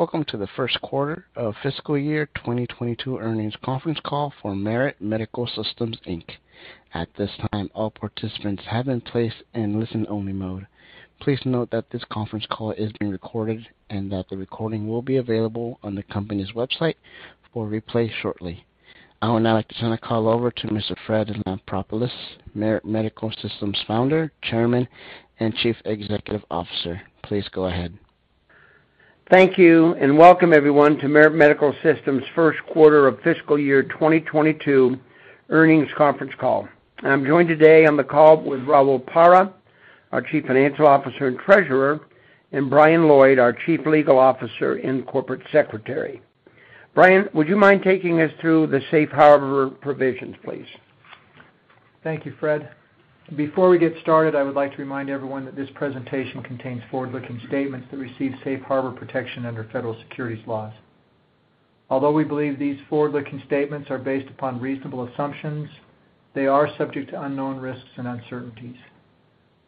Welcome to the first quarter of fiscal year 2022 earnings conference call for Merit Medical Systems, Inc.. At this time, all participants have been placed in listen-only mode. Please note that this conference call is being recorded and that the recording will be available on the company's website for replay shortly. I would now like to turn the call over to Mr. Fred Lampropoulos, Merit Medical Systems Founder, Chairman, and Chief Executive Officer. Please go ahead. Thank you, and welcome everyone to Merit Medical Systems' First Quarter of Fiscal Year 2022 Earnings Conference Call. I'm joined today on the call with Raul Parra, our Chief Financial Officer and Treasurer, and Brian Lloyd, our Chief Legal Officer and Corporate Secretary. Brian, would you mind taking us through the safe harbor provisions, please? Thank you, Fred. Before we get started, I would like to remind everyone that this presentation contains forward-looking statements that receive safe harbor protection under federal securities laws. Although we believe these forward-looking statements are based upon reasonable assumptions, they are subject to unknown risks and uncertainties.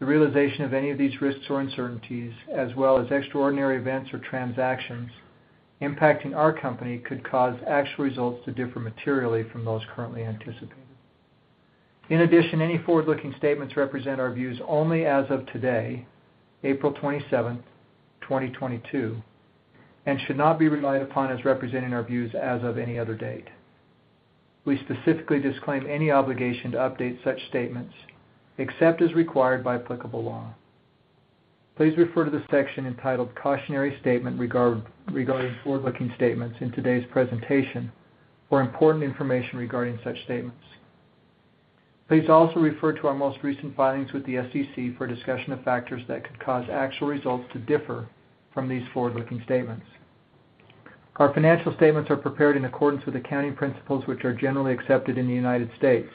The realization of any of these risks or uncertainties, as well as extraordinary events or transactions impacting our company, could cause actual results to differ materially from those currently anticipated. In addition, any forward-looking statements represent our views only as of today, April 27th, 2022, and should not be relied upon as representing our views as of any other date. We specifically disclaim any obligation to update such statements except as required by applicable law. Please refer to the section entitled "Cautionary Statement Regarding Forward-Looking Statements" in today's presentation for important information regarding such statements. Please also refer to our most recent filings with the SEC for a discussion of factors that could cause actual results to differ from these forward-looking statements. Our financial statements are prepared in accordance with accounting principles which are generally accepted in the United States.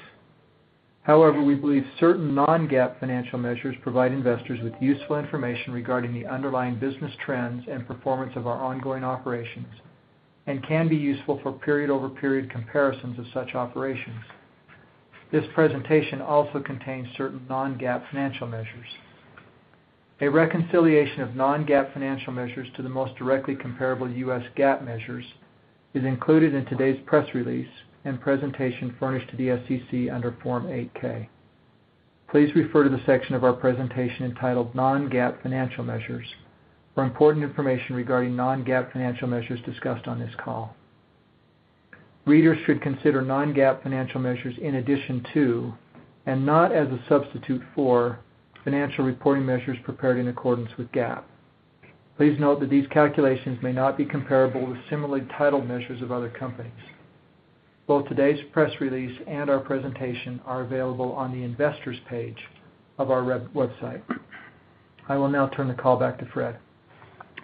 However, we believe certain non-GAAP financial measures provide investors with useful information regarding the underlying business trends and performance of our ongoing operations and can be useful for period-over-period comparisons of such operations. This presentation also contains certain non-GAAP financial measures. A reconciliation of non-GAAP financial measures to the most directly comparable U.S. GAAP measures is included in today's press release and presentation furnished to the SEC under Form 8-K. Please refer to the section of our presentation entitled "Non-GAAP Financial Measures" for important information regarding non-GAAP financial measures discussed on this call. Readers should consider non-GAAP financial measures in addition to, and not as a substitute for, financial reporting measures prepared in accordance with GAAP. Please note that these calculations may not be comparable with similarly titled measures of other companies. Both today's press release and our presentation are available on the investors page of our website. I will now turn the call back to Fred.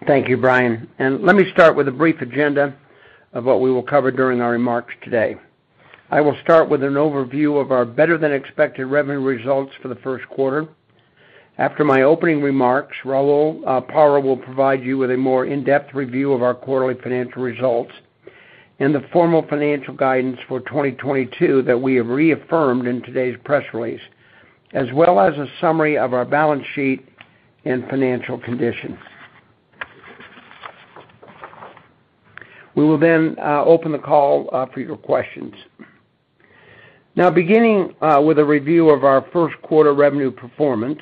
Thank you, Brian. Let me start with a brief agenda of what we will cover during our remarks today. I will start with an overview of our better-than-expected revenue results for the first quarter. After my opening remarks, Raul Parra will provide you with a more in-depth review of our quarterly financial results and the formal financial guidance for 2022 that we have reaffirmed in today's press release, as well as a summary of our balance sheet and financial conditions. We will then open the call for your questions. Now beginning with a review of our first quarter revenue performance,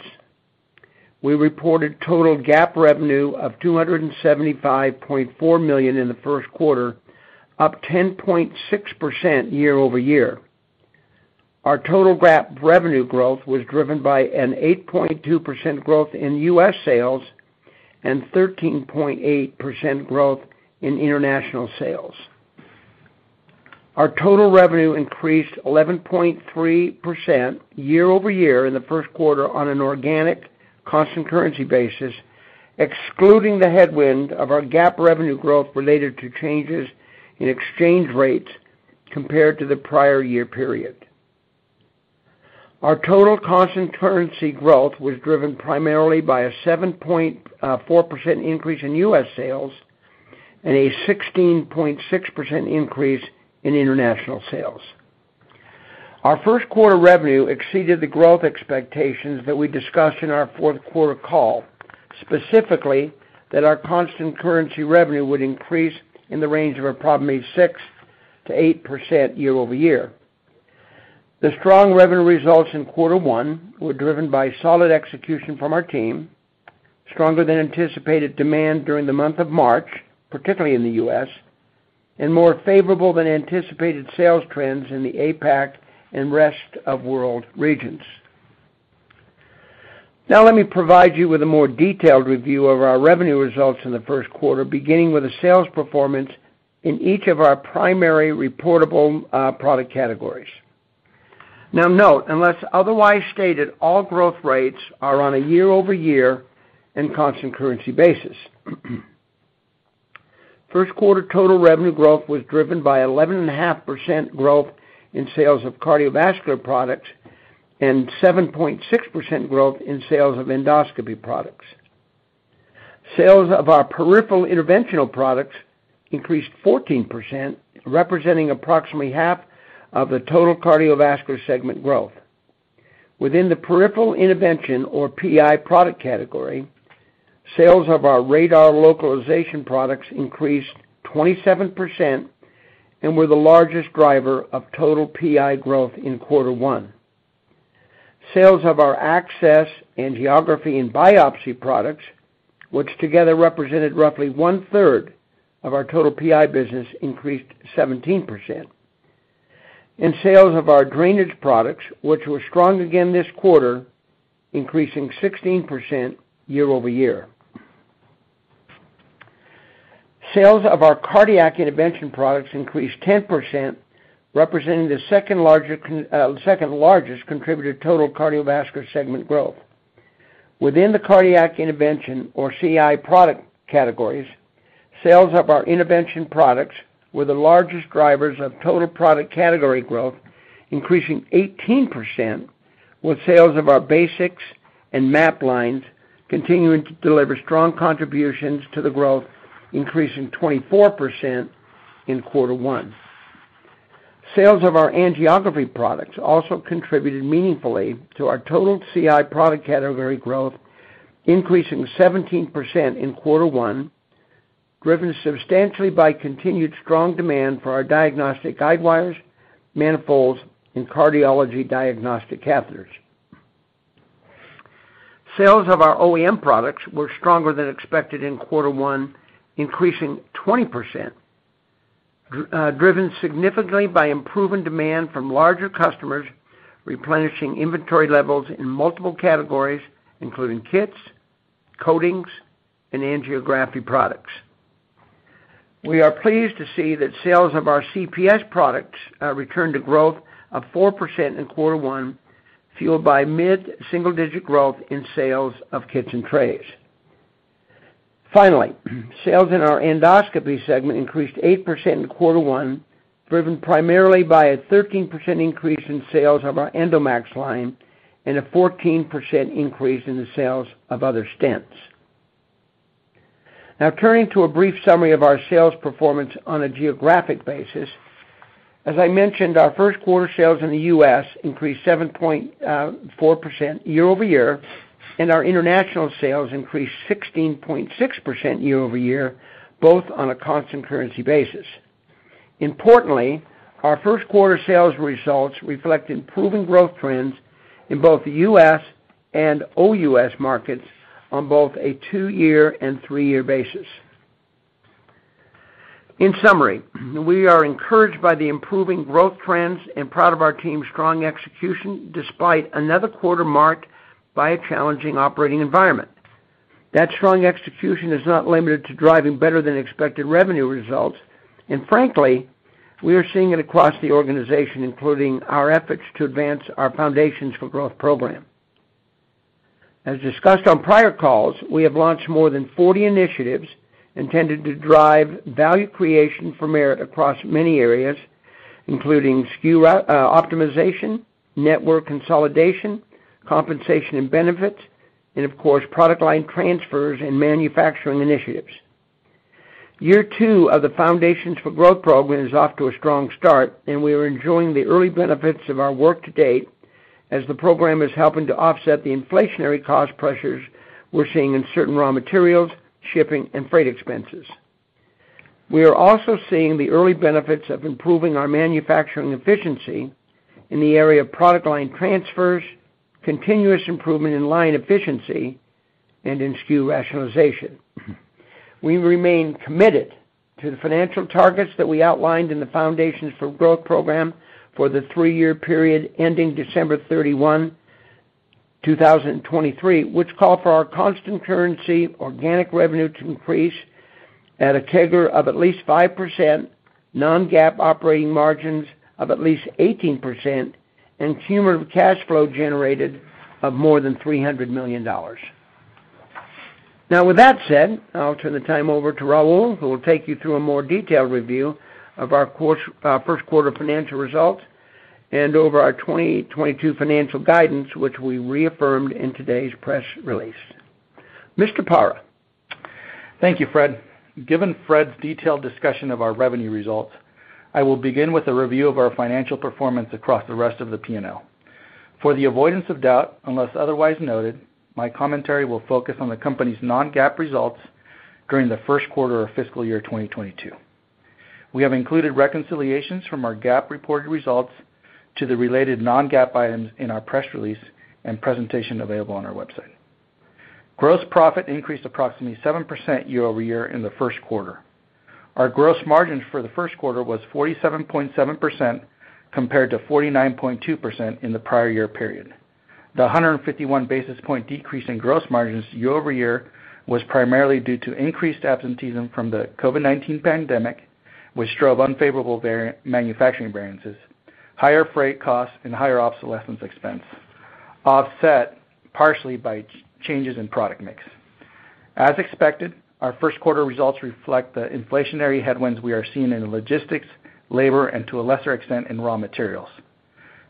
we reported total GAAP revenue of $275.4 million in the first quarter, up 10.6% year-over-year. Our total GAAP revenue growth was driven by an 8.2% growth in U.S. sales and 13.8% growth in international sales. Our total revenue increased 11.3% year-over-year in the first quarter on an organic constant currency basis, excluding the headwind of our GAAP revenue growth related to changes in exchange rates compared to the prior year period. Our total constant currency growth was driven primarily by a 7.4% increase in U.S. sales and a 16.6% increase in international sales. Our first quarter revenue exceeded the growth expectations that we discussed in our fourth quarter call, specifically that our constant currency revenue would increase in the range of approximately 6%-8% year-over-year. The strong revenue results in quarter one were driven by solid execution from our team, stronger than anticipated demand during the month of March, particularly in the U.S., and more favorable than anticipated sales trends in the APAC and rest of world regions. Now let me provide you with a more detailed review of our revenue results in the first quarter, beginning with the sales performance in each of our primary reportable product categories. Now note, unless otherwise stated, all growth rates are on a year-over-year and constant currency basis. First quarter total revenue growth was driven by 11.5% growth in sales of cardiovascular products and 7.6% growth in sales of endoscopy products. Sales of our peripheral interventional products increased 14%, representing approximately half of the total Cardiovascular segment growth. Within the peripheral intervention or PI product category, sales of our radar localization products increased 27% and were the largest driver of total PI growth in quarter one. Sales of our access, angiography, and biopsy products, which together represented roughly 1/3 of our total PI business, increased 17%. Sales of our drainage products, which were strong again this quarter, increasing 16% year-over-year. Sales of our cardiac intervention products increased 10%, representing the second-largest contributor to total Cardiovascular segment growth. Within the cardiac intervention or CI product categories, sales of our intervention products were the largest drivers of total product category growth, increasing 18%, with sales of our basix and MAP lines continuing to deliver strong contributions to the growth, increasing 24% in quarter one. Sales of our angiography products also contributed meaningfully to our total CI product category growth, increasing 17% in quarter one, driven substantially by continued strong demand for our diagnostic guidewires, manifolds, and cardiology diagnostic catheters. Sales of our OEM products were stronger than expected in quarter one, increasing 20%, driven significantly by improving demand from larger customers replenishing inventory levels in multiple categories, including kits, coatings, and angiography products. We are pleased to see that sales of our CPS products returned to growth of 4% in quarter one, fueled by mid-single-digit growth in sales of kits and trays. Finally, sales in our Endoscopy segment increased 8% in quarter one, driven primarily by a 13% increase in sales of our EndoMAXX line and a 14% increase in the sales of other stents. Now turning to a brief summary of our sales performance on a geographic basis. As I mentioned, our first quarter sales in the U.S. increased 7.4% year-over-year, and our international sales increased 16.6% year-over-year, both on a constant currency basis. Importantly, our first quarter sales results reflect improving growth trends in both the U.S. and OUS markets on both a two-year and three-year basis. In summary, we are encouraged by the improving growth trends and proud of our team's strong execution despite another quarter marked by a challenging operating environment. That strong execution is not limited to driving better than expected revenue results. Frankly, we are seeing it across the organization, including our efforts to advance our Foundations for Growth program. As discussed on prior calls, we have launched more than 40 initiatives intended to drive value creation for Merit across many areas, including SKU optimization, network consolidation, compensation and benefits, and of course, product line transfers and manufacturing initiatives. Year 2 of the Foundations for Growth program is off to a strong start, and we are enjoying the early benefits of our work to date as the program is helping to offset the inflationary cost pressures we're seeing in certain raw materials, shipping, and freight expenses. We are also seeing the early benefits of improving our manufacturing efficiency in the area of product line transfers, continuous improvement in line efficiency, and in SKU rationalization. We remain committed to the financial targets that we outlined in the Foundations for Growth program for the three-year period ending December 31, 2023, which call for our constant currency organic revenue to increase at a CAGR of at least 5%, non-GAAP operating margins of at least 18%, and cumulative cash flow generated of more than $300 million. Now, with that said, I'll turn the time over to Raul, who will take you through a more detailed review of our first quarter financial results and our 2022 financial guidance, which we reaffirmed in today's press release. Mr. Parra. Thank you, Fred. Given Fred's detailed discussion of our revenue results, I will begin with a review of our financial performance across the rest of the P&L. For the avoidance of doubt, unless otherwise noted, my commentary will focus on the company's non-GAAP results during the first quarter of fiscal year 2022. We have included reconciliations from our GAAP reported results to the related non-GAAP items in our press release and presentation available on our website. Gross profit increased approximately 7% year-over-year in the first quarter. Our gross margin for the first quarter was 47.7% compared to 49.2% in the prior year period. The 151 basis point decrease in gross margins year-over-year was primarily due to increased absenteeism from the COVID-19 pandemic, which drove unfavorable manufacturing variances, higher freight costs, and higher obsolescence expense, offset partially by changes in product mix. As expected, our first quarter results reflect the inflationary headwinds we are seeing in logistics, labor, and to a lesser extent in raw materials.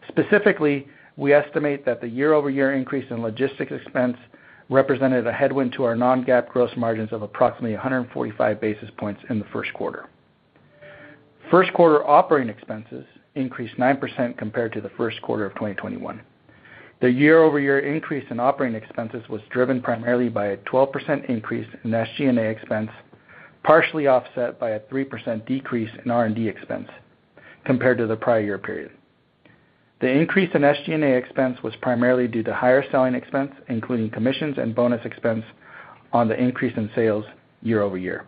Specifically, we estimate that the year-over-year increase in logistics expense represented a headwind to our non-GAAP gross margins of approximately 145 basis points in the first quarter. First quarter operating expenses increased 9% compared to the first quarter of 2021. The year-over-year increase in operating expenses was driven primarily by a 12% increase in SG&A expense, partially offset by a 3% decrease in R&D expense compared to the prior year period. The increase in SG&A expense was primarily due to higher selling expense, including commissions and bonus expense on the increase in sales year-over-year.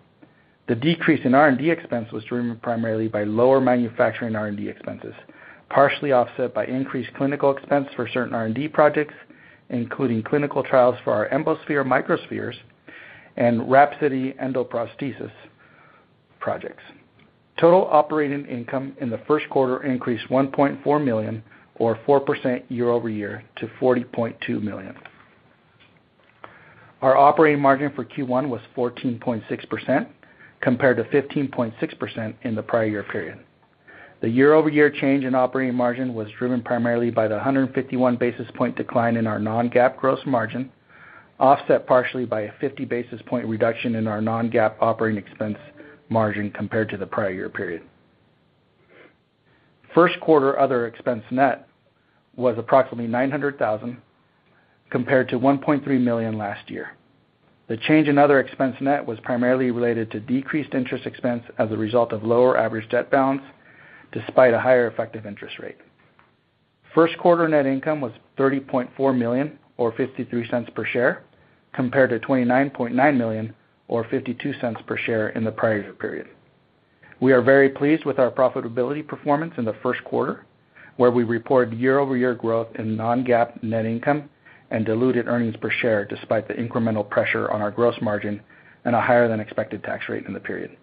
The decrease in R&D expense was driven primarily by lower manufacturing R&D expenses, partially offset by increased clinical expense for certain R&D projects, including clinical trials for our Embosphere Microspheres and WRAPSODY endoprosthesis projects. Total operating income in the first quarter increased $1.4 million or 4% year-over-year to $40.2 million. Our operating margin for Q1 was 14.6% compared to 15.6% in the prior year period. The year-over-year change in operating margin was driven primarily by the 151 basis point decline in our non-GAAP gross margin, offset partially by a 50 basis point reduction in our non-GAAP operating expense margin compared to the prior year period. First quarter other expense net was approximately $900,000 compared to $1.3 million last year. The change in other expense net was primarily related to decreased interest expense as a result of lower average debt balance despite a higher effective interest rate. First quarter net income was $30.4 million or $0.53 per share, compared to $29.9 million or $0.52 per share in the prior year period. We are very pleased with our profitability performance in the first quarter, where we reported year-over-year growth in non-GAAP net income and diluted earnings per share despite the incremental pressure on our gross margin and a higher than expected tax rate in the period.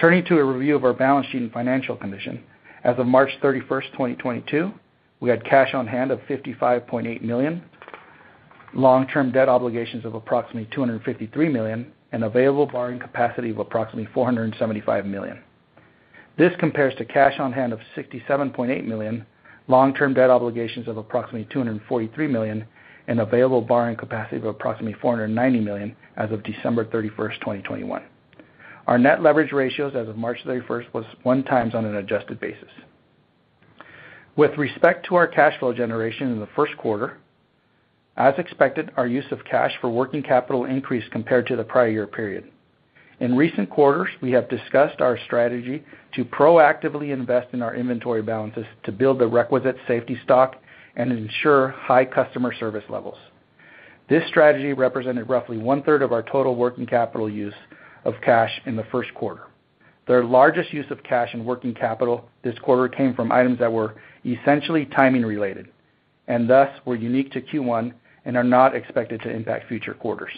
Turning to a review of our balance sheet and financial condition. As of March 31st, 2022, we had cash on hand of $55.8 million, long-term debt obligations of approximately $253 million, and available borrowing capacity of approximately $475 million. This compares to cash on hand of $67.8 million, long-term debt obligations of approximately $243 million, and available borrowing capacity of approximately $490 million as of December 31st, 2021. Our net leverage ratios as of March 31st was 1x on an adjusted basis. With respect to our cash flow generation in the first quarter, as expected, our use of cash for working capital increased compared to the prior year period. In recent quarters, we have discussed our strategy to proactively invest in our inventory balances to build the requisite safety stock and ensure high customer service levels. This strategy represented roughly 1/3 of our total working capital use of cash in the first quarter. The largest use of cash in working capital this quarter came from items that were essentially timing related, and thus were unique to Q1 and are not expected to impact future quarters.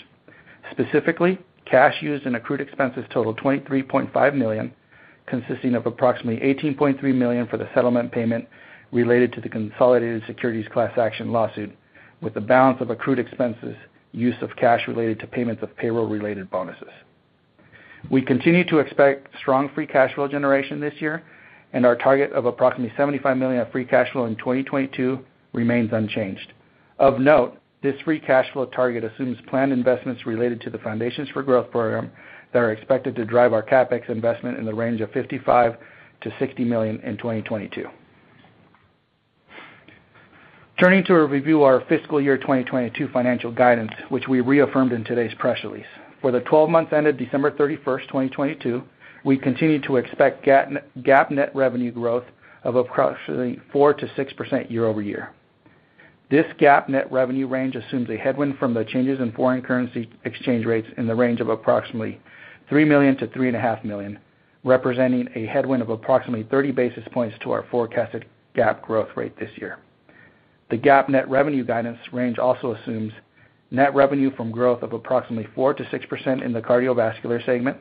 Specifically, cash used in accrued expenses totaled $23.5 million, consisting of approximately $18.3 million for the settlement payment related to the consolidated securities class action lawsuit, with the balance of accrued expenses use of cash related to payments of payroll-related bonuses. We continue to expect strong free cash flow generation this year, and our target of approximately $75 million of free cash flow in 2022 remains unchanged. Of note, this free cash flow target assumes planned investments related to the Foundations for Growth program that are expected to drive our CapEx investment in the range of $55 million-$60 million in 2022. Turning to review our fiscal year 2022 financial guidance, which we reaffirmed in today's press release. For the twelve months ended December 31st, 2022, we continue to expect GAAP net revenue growth of approximately 4%-6% year-over-year. This GAAP net revenue range assumes a headwind from the changes in foreign currency exchange rates in the range of approximately $3 million-$3.5 million, representing a headwind of approximately 30 basis points to our forecasted GAAP growth rate this year. The GAAP net revenue guidance range also assumes net revenue from growth of approximately 4%-6% in the Cardiovascular segment,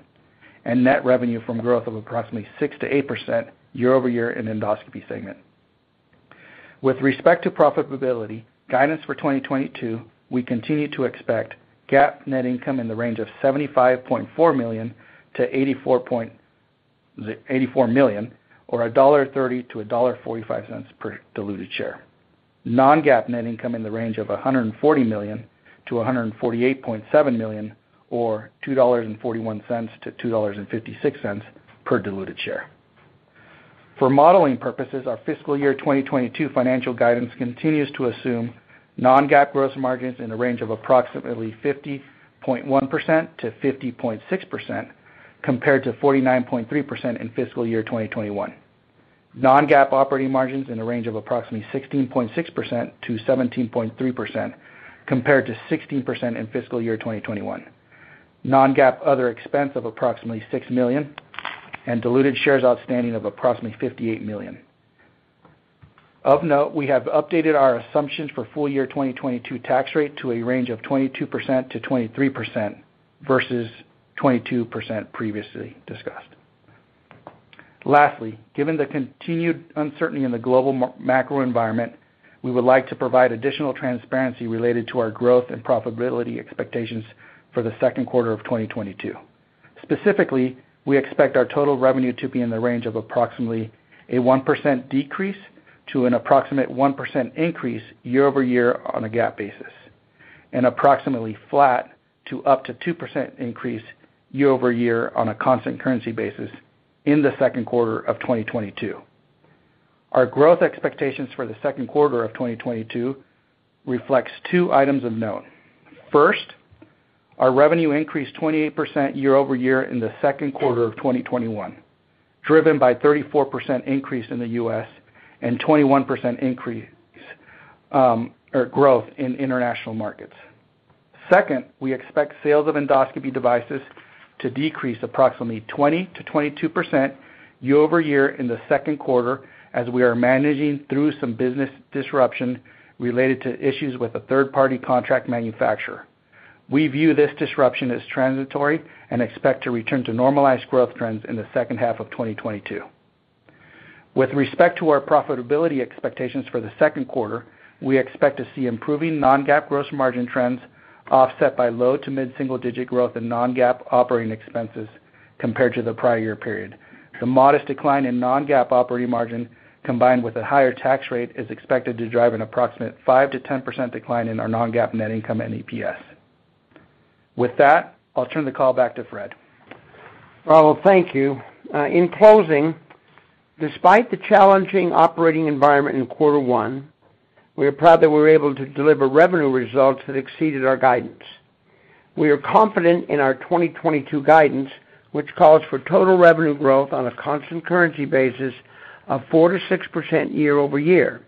and net revenue from growth of approximately 6%-8% year-over-year in Endoscopy segment. With respect to profitability guidance for 2022, we continue to expect GAAP net income in the range of $75.4 million-$84 million or $1.30-$1.45 per diluted share. Non-GAAP net income in the range of $140 million-$148.7 million or $2.41-$2.56 per diluted share. For modeling purposes, our fiscal year 2022 financial guidance continues to assume non-GAAP gross margins in the range of approximately 50.1%-50.6% compared to 49.3% in fiscal year 2021. Non-GAAP operating margins in the range of approximately 16.6%-17.3% compared to 16% in fiscal year 2021. Non-GAAP other expense of approximately $6 million and diluted shares outstanding of approximately 58 million. Of note, we have updated our assumptions for full year 2022 tax rate to a range of 22%-23% versus 22% previously discussed. Lastly, given the continued uncertainty in the global macro environment, we would like to provide additional transparency related to our growth and profitability expectations for the second quarter of 2022. Specifically, we expect our total revenue to be in the range of approximately a 1% decrease to an approximate 1% increase year-over-year on a GAAP basis. Approximately flat to up to 2% increase year-over-year on a constant currency basis in the second quarter of 2022. Our growth expectations for the second quarter of 2022 reflects two items of note. First, our revenue increased 28% year-over-year in the second quarter of 2021, driven by 34% increase in the U.S. and 21% increase or growth in international markets. Second, we expect sales of endoscopy devices to decrease approximately 20%-22% year-over-year in the second quarter as we are managing through some business disruption related to issues with a third-party contract manufacturer. We view this disruption as transitory and expect to return to normalized growth trends in the second half of 2022. With respect to our profitability expectations for the second quarter, we expect to see improving non-GAAP gross margin trends offset by low to mid-single-digit growth in non-GAAP operating expenses compared to the prior year period. The modest decline in non-GAAP operating margin, combined with a higher tax rate, is expected to drive an approximate 5%-10% decline in our non-GAAP net income and EPS. With that, I'll turn the call back to Fred. Well, thank you. In closing, despite the challenging operating environment in quarter one, we are proud that we were able to deliver revenue results that exceeded our guidance. We are confident in our 2022 guidance, which calls for total revenue growth on a constant currency basis of 4%-6% year-over-year.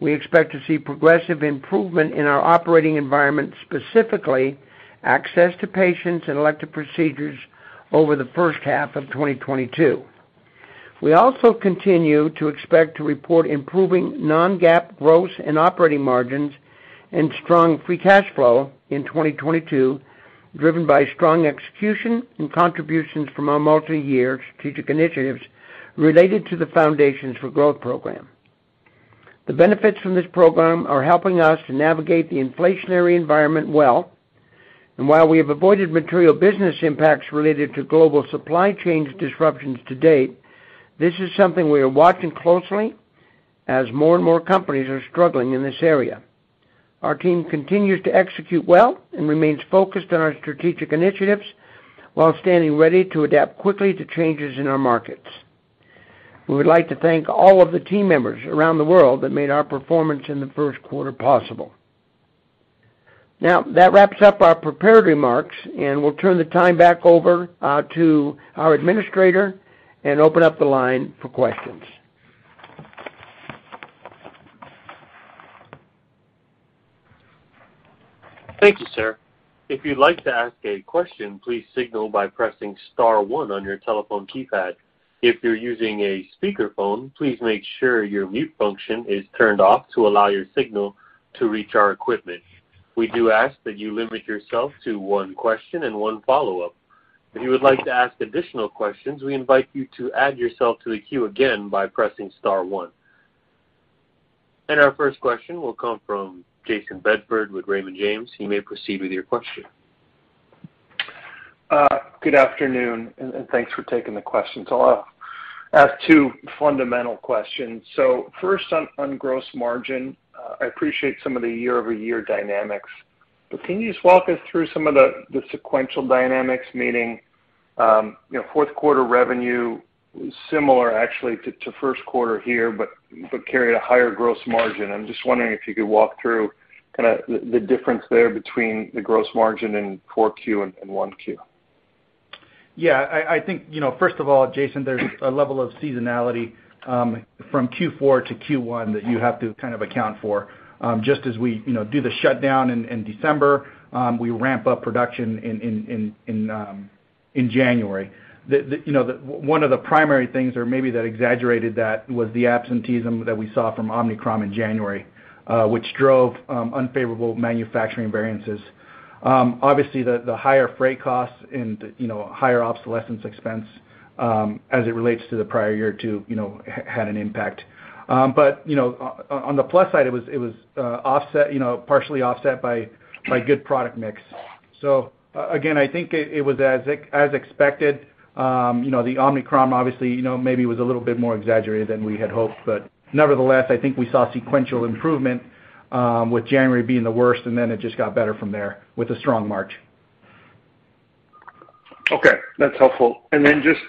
We expect to see progressive improvement in our operating environment, specifically access to patients and elective procedures over the first half of 2022. We also continue to expect to report improving non-GAAP gross and operating margins and strong free cash flow in 2022, driven by strong execution and contributions from our multiyear strategic initiatives related to the Foundations for Growth program. The benefits from this program are helping us to navigate the inflationary environment well. While we have avoided material business impacts related to global supply chains disruptions to date, this is something we are watching closely as more and more companies are struggling in this area. Our team continues to execute well and remains focused on our strategic initiatives while standing ready to adapt quickly to changes in our markets. We would like to thank all of the team members around the world that made our performance in the first quarter possible. Now, that wraps up our prepared remarks, and we'll turn the time back over to our administrator and open up the line for questions. Thank you, sir. If you'd like to ask a question, please signal by pressing star one on your telephone keypad. If you're using a speakerphone, please make sure your mute function is turned off to allow your signal to reach our equipment. We do ask that you limit yourself to one question and one follow-up. If you would like to ask additional questions, we invite you to add yourself to the queue again by pressing star one. Our first question will come from Jayson Bedford with Raymond James. You may proceed with your question. Good afternoon, and thanks for taking the questions. I'll ask two fundamental questions. First on gross margin. I appreciate some of the year-over-year dynamics, but can you just walk us through some of the sequential dynamics, meaning, you know, fourth quarter revenue similar actually to first quarter here, but carried a higher gross margin? I'm just wondering if you could walk through kinda the difference there between the gross margin in Q4 and Q1. Yeah, I think, you know, first of all, Jason, there's a level of seasonality from Q4 to Q1 that you have to kind of account for. Just as we, you know, do the shutdown in December, we ramp up production in January. One of the primary things or maybe that exaggerated that was the absenteeism that we saw from Omicron in January, which drove unfavorable manufacturing variances. Obviously, the higher freight costs and, you know, higher obsolescence expense, as it relates to the prior year too, you know, had an impact. But, you know, on the plus side, it was offset, you know, partially offset by good product mix. Again, I think it was as expected. You know, the Omicron obviously, you know, maybe was a little bit more exaggerated than we had hoped. Nevertheless, I think we saw sequential improvement, with January being the worst, and then it just got better from there with a strong March. Okay, that's helpful. Then just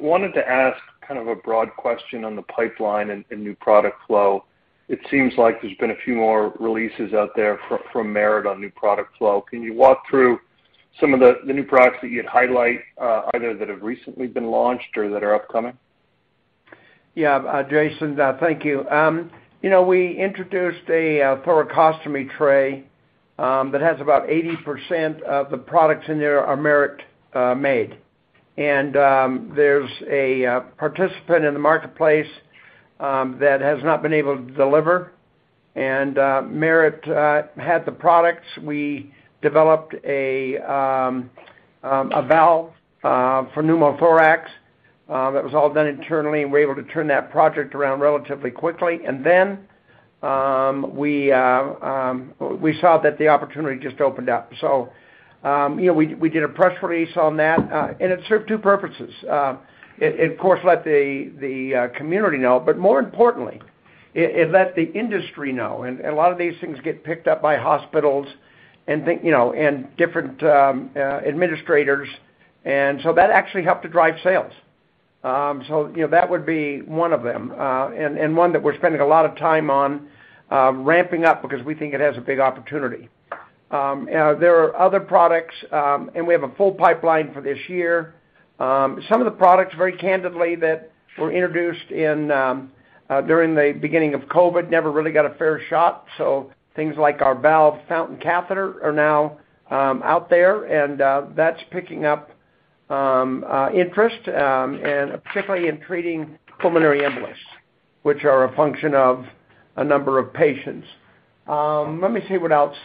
wanted to ask kind of a broad question on the pipeline and new product flow. It seems like there's been a few more releases out there from Merit on new product flow. Can you walk through some of the new products that you'd highlight, either that have recently been launched or that are upcoming? Yeah, Jason, thank you. You know, we introduced a thoracostomy tray that has about 80% of the products in there are Merit made. There's a participant in the marketplace that has not been able to deliver. Merit had the products. We developed a valve for pneumothorax that was all done internally, and we were able to turn that project around relatively quickly. We saw that the opportunity just opened up. You know, we did a press release on that, and it served two purposes. It of course let the community know, but more importantly, it let the industry know. A lot of these things get picked up by hospitals and, you know, and different administrators. That actually helped to drive sales. You know, that would be one of them, and one that we're spending a lot of time on, ramping up because we think it has a big opportunity. There are other products, and we have a full pipeline for this year. Some of the products very candidly that were introduced during the beginning of COVID never really got a fair shot. Things like our valve Fountain catheter are now out there, and that's picking up interest, and particularly in treating pulmonary embolus, which are a function of a number of patients. Let me see what else.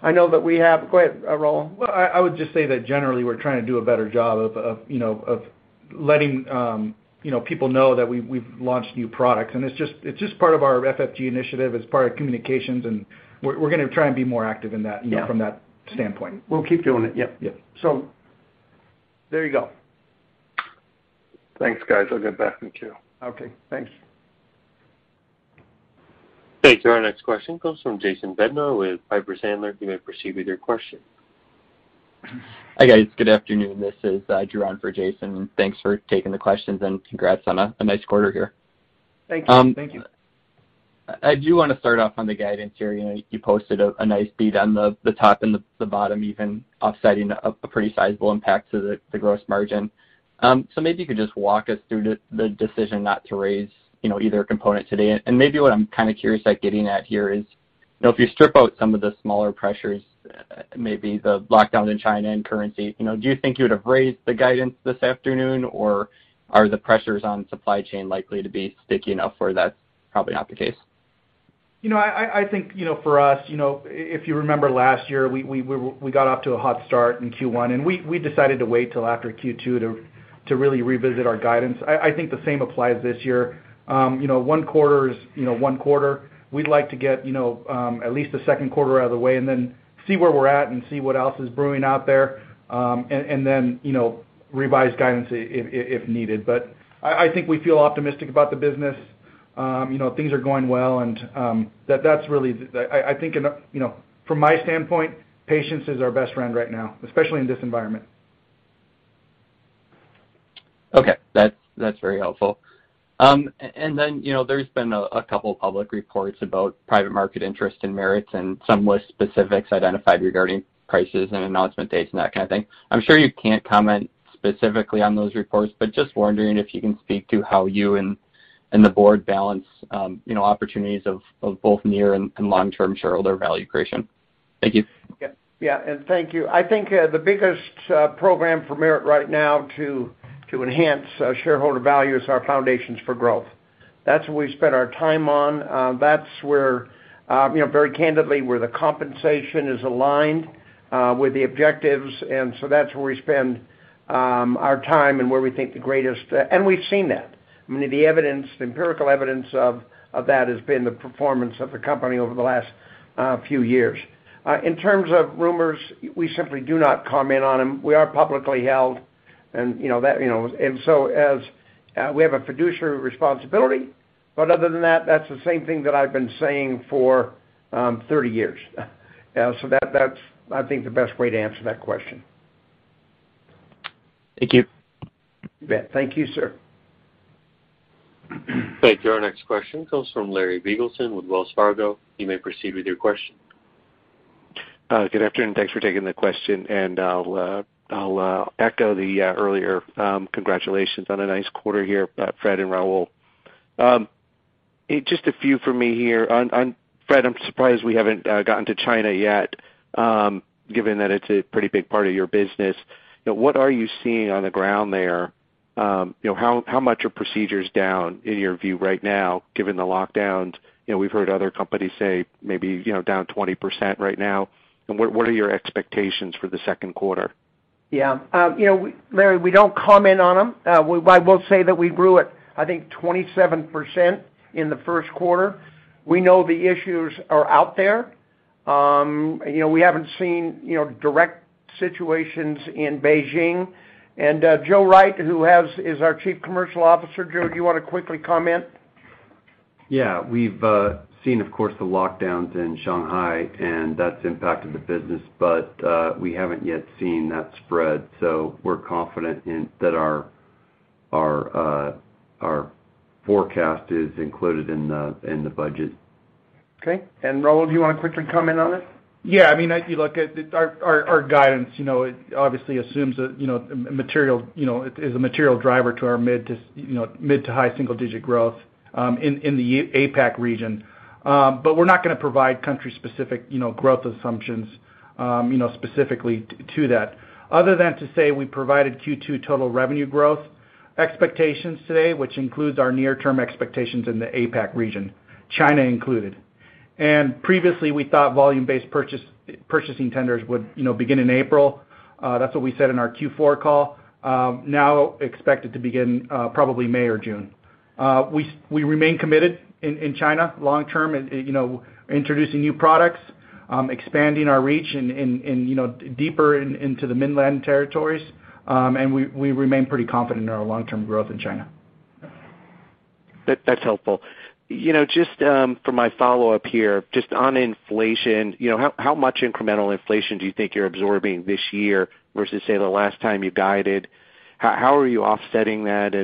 I know that we have... Go ahead, Raul. Well, I would just say that generally we're trying to do a better job of you know of letting you know people know that we've launched new products, and it's just part of our FFG initiative, it's part of communications, and we're gonna try and be more active in that. Yeah You know, from that standpoint. We'll keep doing it. Yep. Yep. There you go. Thanks, guys. I'll get back in queue. Okay. Thanks. Thank you. Our next question comes from Jason Bednar with Piper Sandler. You may proceed with your question. Hi, guys. Good afternoon. This is Jeroen for Jayson, and thanks for taking the questions, and congrats on a nice quarter here. Thank you. Thank you. I do wanna start off on the guidance here. You know, you posted a nice beat on the top and the bottom, even offsetting a pretty sizable impact to the gross margin. Maybe you could just walk us through the decision not to raise, you know, either component today. Maybe what I'm kinda curious like getting at here is, you know, if you strip out some of the smaller pressures, maybe the lockdown in China and currency, you know, do you think you would have raised the guidance this afternoon, or are the pressures on supply chain likely to be sticky enough where that's probably not the case? You know, I think, you know, for us, you know, if you remember last year, we got off to a hot start in Q1, and we decided to wait till after Q2 to really revisit our guidance. I think the same applies this year. You know, one quarter is, you know, one quarter. We'd like to get, you know, at least the second quarter out of the way and then see where we're at and see what else is brewing out there, and then, you know, revise guidance if needed. I think we feel optimistic about the business, you know, things are going well and, that's really. I think, you know, from my standpoint, patience is our best friend right now, especially in this environment. Okay. That's very helpful. You know, there's been a couple public reports about private market interest in Merit and some with specifics identified regarding prices and announcement dates and that kind of thing. I'm sure you can't comment specifically on those reports, but just wondering if you can speak to how you and the board balance, you know, opportunities of both near and long-term shareholder value creation. Thank you. Yeah, thank you. I think the biggest program for Merit right now to enhance shareholder value is our Foundations for Growth. That's what we spent our time on. That's where, you know, very candidly, where the compensation is aligned with the objectives. That's where we spend our time and where we think the greatest. We've seen that. I mean, the evidence, the empirical evidence of that has been the performance of the company over the last few years. In terms of rumors, we simply do not comment on them. We are publicly held and, you know, that, you know. As we have a fiduciary responsibility. Other than that's the same thing that I've been saying for 30 years. That's, I think, the best way to answer that question. Thank you. You bet. Thank you, sir. Thank you. Our next question comes from Larry Biegelsen with Wells Fargo. You may proceed with your question. Good afternoon. Thanks for taking the question. I'll echo the earlier congratulations on a nice quarter here, Fred and Raul. Just a few from me here. Fred, I'm surprised we haven't gotten to China yet, given that it's a pretty big part of your business. Now, what are you seeing on the ground there? You know, how much are procedures down in your view right now given the lockdowns? You know, we've heard other companies say maybe down 20% right now. What are your expectations for the second quarter? Yeah. You know, Larry, we don't comment on them. But I will say that we grew at, I think, 27% in the first quarter. We know the issues are out there. You know, we haven't seen, you know, direct situations in Beijing. Joe Wright, who is our Chief Commercial Officer, Joe, do you wanna quickly comment? Yeah. We've seen, of course, the lockdowns in Shanghai, and that's impacted the business, but we haven't yet seen that spread. We're confident that our forecast is included in the budget. Okay. Raul, do you wanna quickly comment on it? Yeah. I mean, if you look at it, our guidance, you know, it obviously assumes that, you know, material, you know, is a material driver to our mid to high single digit growth in the APAC region. But we're not gonna provide country-specific growth assumptions, you know, specifically to that. Other than to say we provided Q2 total revenue growth expectations today, which includes our near-term expectations in the APAC region, China included. Previously, we thought volume-based purchasing tenders would, you know, begin in April, that's what we said in our Q4 call, now expected to begin, probably May or June. We remain committed in China long term and, you know, introducing new products, expanding our reach, you know, deeper into the mainland territories, and we remain pretty confident in our long-term growth in China. That's helpful. You know, just for my follow-up here, just on inflation, you know, how much incremental inflation do you think you're absorbing this year versus, say, the last time you guided? How are you offsetting that?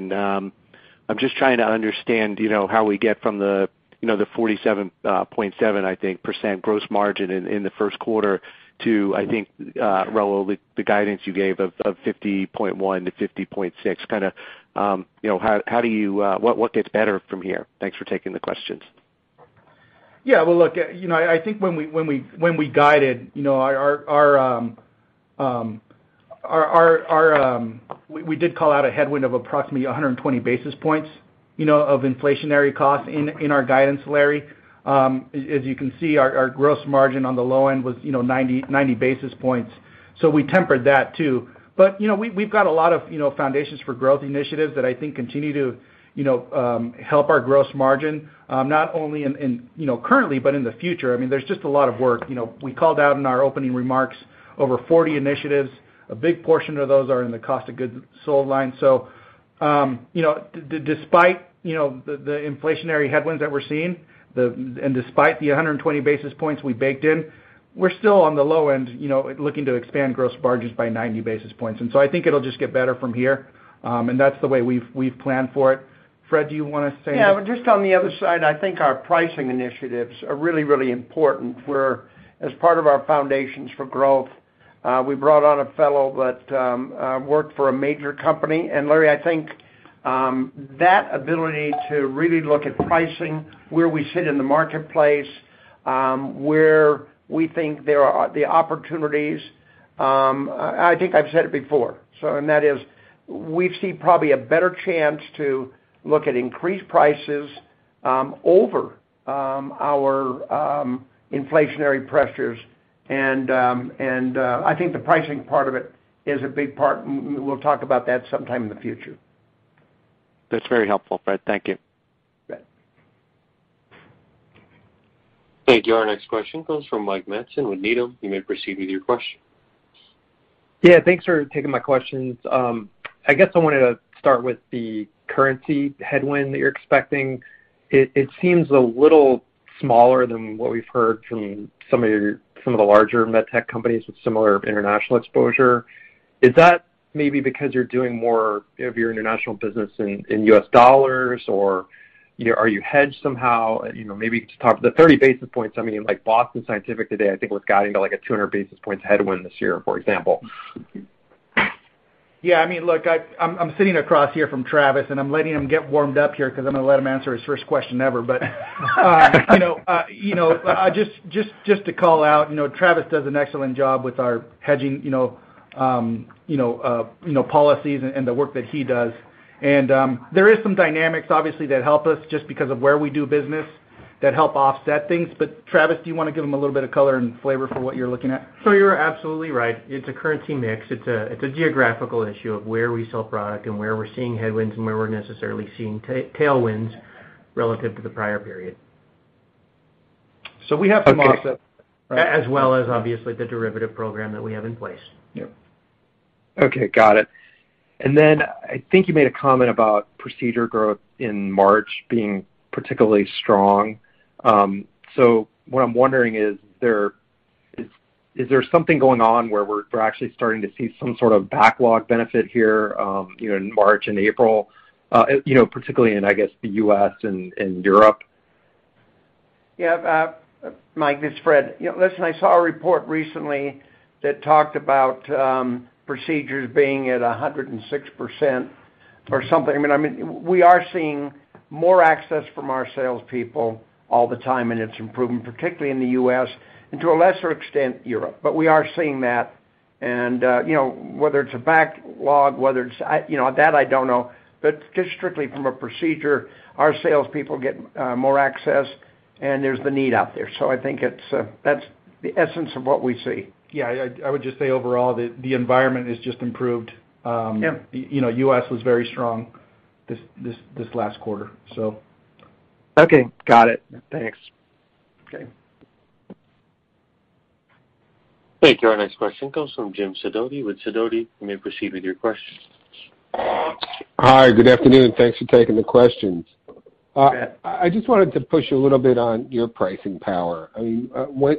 I'm just trying to understand, you know, how we get from the, you know, the 47.7% gross margin in the first quarter to, I think, Raul, the guidance you gave of 50.1%-50.6% kinda, you know, how do you what gets better from here? Thanks for taking the questions. Yeah. We did caught a lot of headwind of approximately 120 basis points, you know, of inflationary cost in our guidance, Larry. As you can see, our gross margin on the low end was 90 basis points. So we tempered that too. But, you know, we've got a lot of Foundations for Growth initiatives that I think continue to help our gross margin not only currently, but in the future. I mean, there's just a lot of work. You know, we called out in our opening remarks over 40 initiatives. A big portion of those are in the cost of goods sold line. Despite, you know, the inflationary headwinds that we're seeing and despite the 120 basis points we baked in, we're still on the low end, you know, looking to expand gross margins by 90 basis points. I think it'll just get better from here and that's the way we've planned for it. Fred, do you wanna say anything? Yeah. Just on the other side, I think our pricing initiatives are really, really important, where, as part of our Foundations for Growth, we brought on a fellow that worked for a major company. Larry, I think that ability to really look at pricing, where we sit in the marketplace, where we think there are the opportunities, I think I've said it before, and that is we see probably a better chance to look at increased prices over our inflationary pressures. I think the pricing part of it is a big part, and we'll talk about that sometime in the future. That's very helpful, Fred. Thank you. Bet. Thank you. Our next question comes from Mike Matson with Needham. You may proceed with your question. Yeah. Thanks for taking my questions. I guess I wanted to start with the currency headwind that you're expecting. It seems a little smaller than what we've heard from some of the larger med tech companies with similar international exposure. Is that maybe because you're doing more of your international business in U.S. dollars, or, you know, are you hedged somehow? You know, maybe to talk. The 30 basis points, I mean, like Boston Scientific today, I think, was guiding to, like, a 200 basis points headwind this year, for example. Yeah. I mean, look, I'm sitting across here from Travis, and I'm letting him get warmed up here 'cause I'm gonna let him answer his first question ever. You know, you know, just to call out, you know, Travis does an excellent job with our hedging ,you know, policies and the work that he does. There is some dynamics obviously that help us just because of where we do business that help offset things. Travis, do you wanna give him a little bit of color and flavor for what you're looking at? You're absolutely right. It's a currency mix. It's a geographical issue of where we sell product and where we're seeing headwinds and where we're necessarily seeing tailwinds relative to the prior period. We have some offsets. As well as obviously the derivative program that we have in place. Yeah. Okay, got it. Then I think you made a comment about procedure growth in March being particularly strong. What I'm wondering is there something going on where we're actually starting to see some sort of backlog benefit here, you know, in March and April, you know, particularly in, I guess, the U.S. and Europe? Yeah. Mike, this is Fred. You know, listen, I saw a report recently that talked about procedures being at 106% or something. I mean, we are seeing more access from our salespeople all the time, and it's improving, particularly in the U.S., and to a lesser extent, Europe. We are seeing that. You know, whether it's a backlog, whether it's, you know, that I don't know. Just strictly from a procedure, our salespeople get more access, and there's the need out there. I think it's. That's the essence of what we see. Yeah. I would just say overall, the environment has just improved. Yeah You know, U.S. was very strong this last quarter, so. Okay. Got it. Thanks. Okay. Thank you. Our next question comes from Jim Sidoti with Sidoti. You may proceed with your question. Hi. Good afternoon. Thanks for taking the questions. I just wanted to push a little bit on your pricing power. I mean,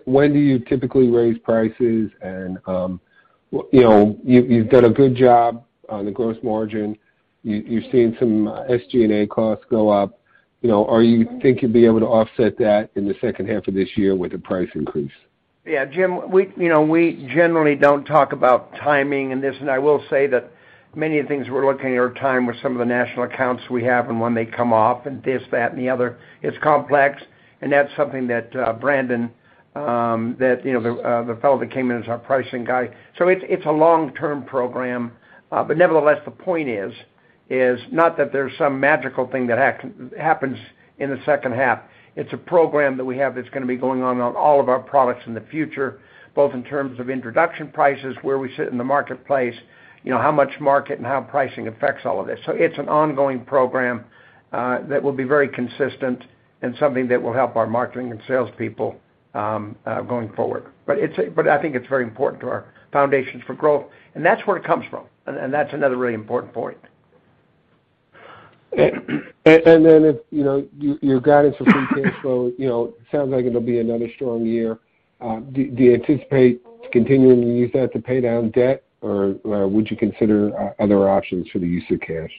when do you typically raise prices? You know, you've done a good job on the gross margin. You've seen some SG&A costs go up. You know, do you think you'd be able to offset that in the second half of this year with a price increase? Yeah. Jim, you know, we generally don't talk about timing in this, and I will say that many of the things we're looking at are tied with some of the national accounts we have and when they come off and this, that, and the other. It's complex, and that's something that, Brandon, you know, the fellow that came in as our pricing guy. So it's a long-term program. Nevertheless, the point is not that there's some magical thing that happens in the second half. It's a program that we have that's gonna be going on all of our products in the future, both in terms of introduction prices, where we sit in the marketplace, you know, how much market and how pricing affects all of this. It's an ongoing program that will be very consistent and something that will help our marketing and salespeople going forward. I think it's very important to our Foundations for Growth, and that's where it comes from. That's another really important point. If, you know, your guidance for free cash flow, you know, sounds like it'll be another strong year. Do you anticipate continuing to use that to pay down debt, or would you consider other options for the use of cash?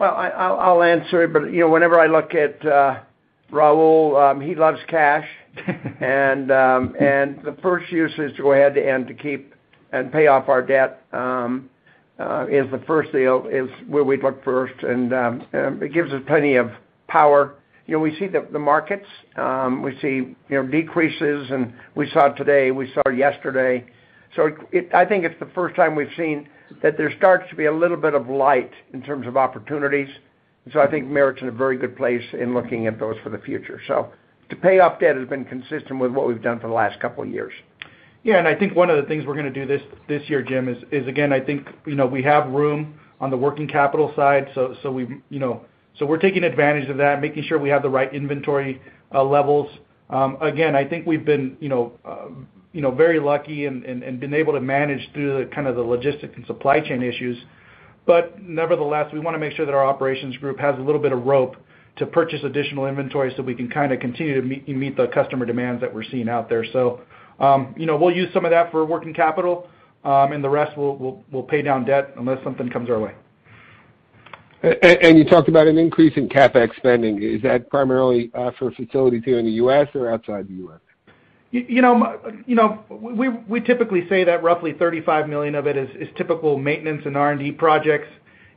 Well, I'll answer it, but you know, whenever I look at Raul, he loves cash. The first use is to go ahead and to keep and pay off our debt is the first place where we'd look first. It gives us plenty of power. You know, we see the markets, we see decreases, and we saw today, we saw yesterday. I think it's the first time we've seen that there starts to be a little bit of light in terms of opportunities. I think Merit's in a very good place in looking at those for the future. To pay off debt has been consistent with what we've done for the last couple of years. I think one of the things we're gonna do this year, Jim, is again, I think, you know, we have room on the working capital side, so we, you know. We're taking advantage of that, making sure we have the right inventory levels. Again, I think we've been, you know, very lucky and been able to manage through the kind of logistics and supply chain issues. But nevertheless, we wanna make sure that our operations group has a little bit of rope to purchase additional inventory so we can kind of continue to meet the customer demands that we're seeing out there. We'll use some of that for working capital, and the rest we'll pay down debt unless something comes our way. You talked about an increase in CapEx spending. Is that primarily for facilities here in the U.S. or outside the U.S.? You know, we typically say that roughly $35 million of it is typical maintenance and R&D projects,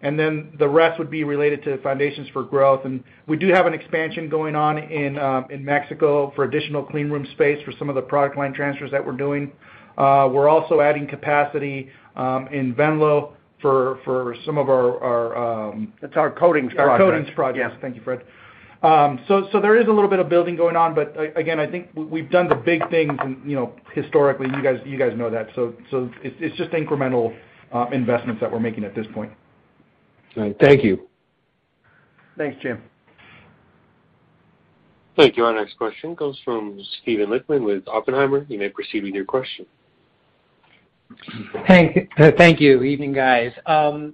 and then the rest would be related to Foundations for Growth. We do have an expansion going on in Mexico for additional clean room space for some of the product line transfers that we're doing. We're also adding capacity in Venlo for some of our It's our coatings project. Our coatings projects. Yeah. Thank you, Fred. There is a little bit of building going on, but again, I think we've done the big things, and you know, historically, you guys know that. It's just incremental investments that we're making at this point. All right. Thank you. Thanks, Jim. Thank you. Our next question comes from Steven Lichtman with Oppenheimer. You may proceed with your question. Thank you. Evening, guys. On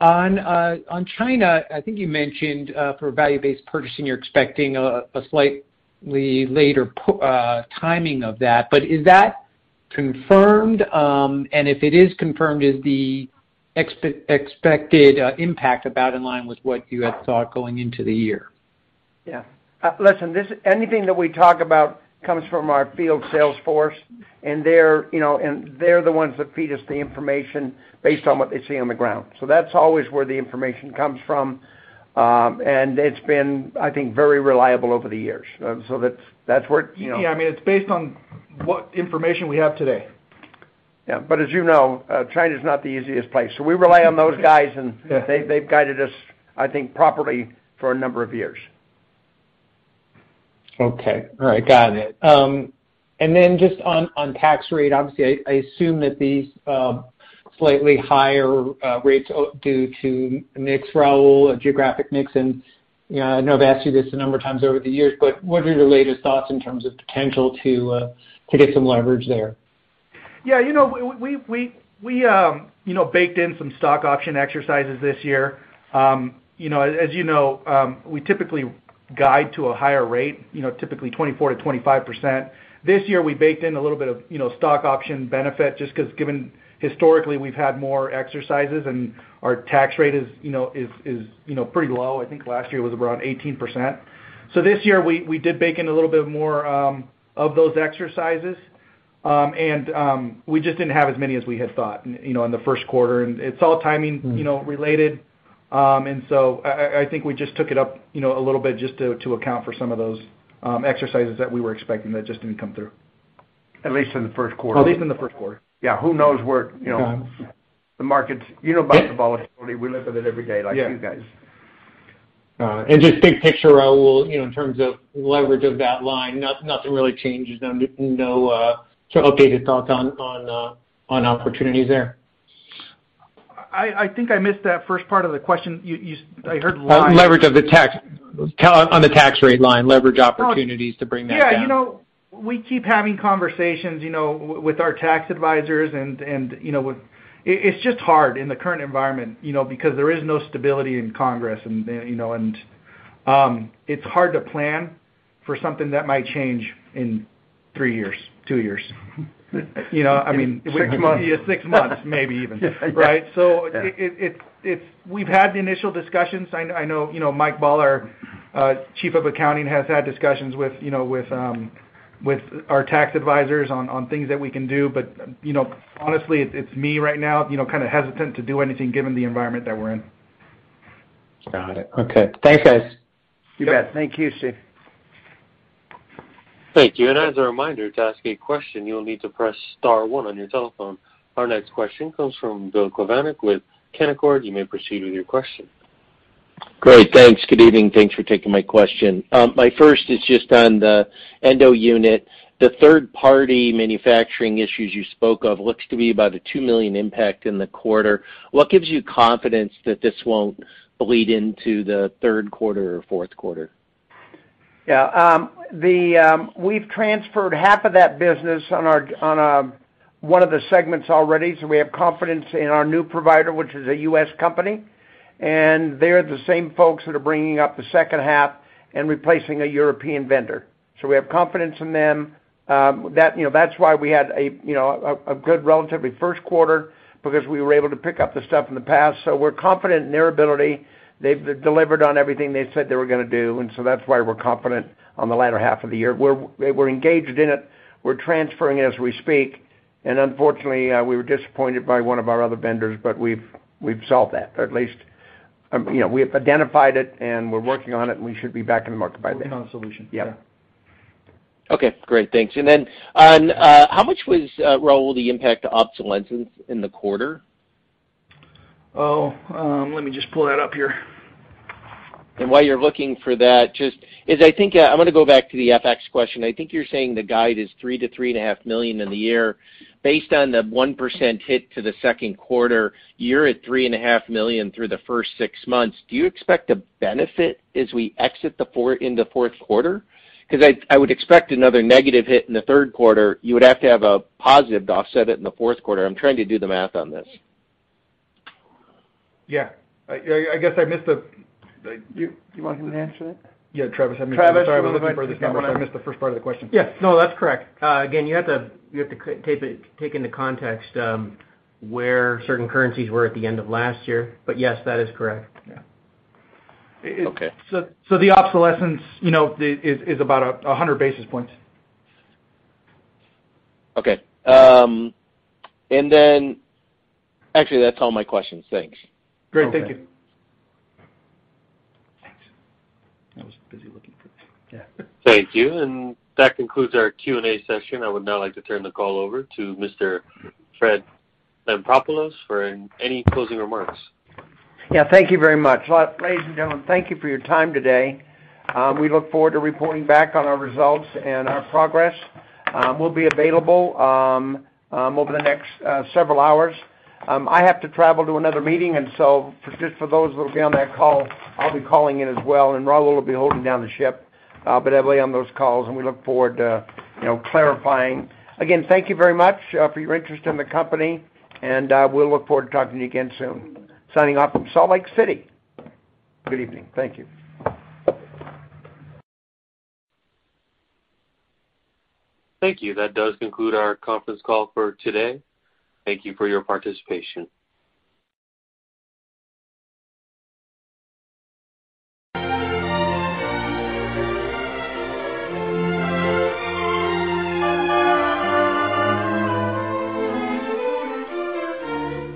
China, I think you mentioned for volume-based purchasing, you're expecting a slightly later timing of that. Is that confirmed? If it is confirmed, is the expected impact about in line with what you had thought going into the year? Yeah. Listen, anything that we talk about comes from our field sales force, and they're, you know, the ones that feed us the information based on what they see on the ground. That's always where the information comes from. It's been, I think, very reliable over the years. That's where, you know. Yeah. I mean, it's based on what information we have today. As you know, China's not the easiest place, so we rely on those guys, and they've guided us, I think, properly for a number of years. Okay. All right. Got it. Then just on tax rate, obviously, I assume that these slightly higher rates are due to mix, Raul, a geographic mix. You know, I know I've asked you this a number of times over the years, but what are your latest thoughts in terms of potential to get some leverage there? Yeah. You know, we baked in some stock option exercises this year. You know, as you know, we typically guide to a higher rate, you know, typically 24%-25%. This year we baked in a little bit of, you know, stock option benefit just 'cause given historically, we've had more exercises and our tax rate is, you know, pretty low. I think last year was around 18%. This year we did bake in a little bit more of those exercises. And we just didn't have as many as we had thought, you know, in the first quarter, and it's all timing. Mm-hmm You know, related. I think we just took it up, you know, a little bit just to account for some of those exercises that we were expecting that just didn't come through. At least in the first quarter. At least in the first quarter. Yeah. Who knows where, you know, the markets. You know about the volatility. We live with it every day like you guys. Yeah. Just big picture, Raul, you know, in terms of leverage of that line, nothing really changes. No, sort of updated thoughts on opportunities there? I think I missed that first part of the question. You, I heard line- Leverage on the tax rate line, leverage opportunities to bring that down. Yeah. You know, we keep having conversations, you know, with our tax advisors and, you know, with. It's just hard in the current environment, you know, because there is no stability in Congress and, you know, and it's hard to plan for something that might change in three years, two years. You know, I mean. six months. Yeah, six months, maybe even. Yeah. Right? We've had the initial discussions. I know you know Mike Baller, Chief of Accounting, has had discussions with you know with our tax advisors on things that we can do. You know, honestly, it's me right now you know kinda hesitant to do anything given the environment that we're in. Got it. Okay. Thanks, guys. You bet. Thank you, Steven. Thank you. As a reminder, to ask a question, you'll need to press star one on your telephone. Our next question comes from Bill Plovanic with Canaccord. You may proceed with your question. Great. Thanks. Good evening. Thanks for taking my question. My first is just on the endo unit. The third party manufacturing issues you spoke of looks to be about a $2 million impact in the quarter. What gives you confidence that this won't bleed into the third quarter or fourth quarter? We've transferred half of that business on one of the segments already. We have confidence in our new provider, which is a U.S. company. They're the same folks that are bringing up the second half and replacing a European vendor. We have confidence in them, you know, that's why we had a relatively good first quarter because we were able to pick up the stuff in the past. We're confident in their ability. They've delivered on everything they said they were gonna do, and so that's why we're confident on the latter half of the year. We're engaged in it. We're transferring it as we speak. Unfortunately, we were disappointed by one of our other vendors, but we've solved that. At least, you know, we have identified it, and we're working on it, and we should be back in the market by then. Working on a solution. Yeah. Okay, great. Thanks. How much was, Raul, the impact to obsolescence in the quarter? Oh, let me just pull that up here. While you're looking for that, just, I think, I wanna go back to the FX question. I think you're saying the guide is $3 million-$3.5 million in the year. Based on the 1% hit to the second quarter, you're at $3.5 million through the first six months. Do you expect a benefit as we exit in the fourth quarter? 'Cause I would expect another negative hit in the third quarter. You would have to have a positive to offset it in the fourth quarter. I'm trying to do the math on this. Yeah. I guess I missed the. You want him to answer it? Yeah, Travis, have him answer. Travis, you wanna- Sorry, we're looking for the camera. I missed the first part of the question. Yes. No, that's correct. Again, you have to take it into context where certain currencies were at the end of last year. Yes, that is correct. Okay. The obsolescence, you know, is about 100 basis points. Okay. Actually, that's all my questions. Thanks. Great. Thank you. Thanks. Yeah. Thank you. That concludes our Q&A session. I would now like to turn the call over to Mr. Fred Lampropoulos for any closing remarks. Yeah. Thank you very much. Well, ladies and gentlemen, thank you for your time today. We look forward to reporting back on our results and our progress. We'll be available over the next several hours. I have to travel to another meeting, and so for just for those who'll be on that call, I'll be calling in as well, and Raul will be holding down the ship, but I'll be on those calls, and we look forward to, you know, clarifying. Again, thank you very much for your interest in the company, and we'll look forward to talking to you again soon. Signing off from Salt Lake City. Good evening. Thank you. Thank you. That does conclude our conference call for today. Thank you for your participation.